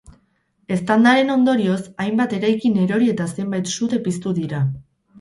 Eztandaren ondorioz, hainbat eraikin erori eta zenbait sute piztu dira.